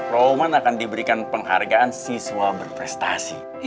roman akan diberikan penghargaan siswa berprestasi